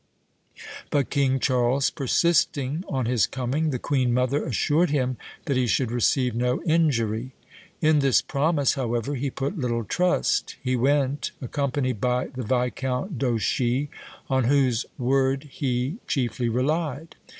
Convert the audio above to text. But King Charles persisting on his coming, the queen mother assured him that he should receive no injury. In this promise, however, he put little trust. He went, accompanied by the Viscount d'Auchy, on whose word he chiefly relied.